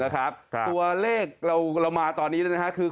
ตัวเลขเราคุ้มมาตอนนี้นะครับ